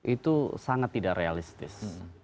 itu sangat tidak realistis